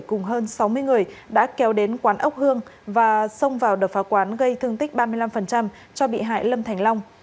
cùng hơn sáu mươi người đã kéo đến quán ốc hương và xông vào đập phá quán gây thương tích ba mươi năm cho bị hại lâm thành long